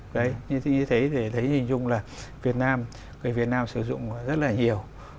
đấy như thế thì thấy hình dung là việt nam người việt nam sử dụng rất là nhiều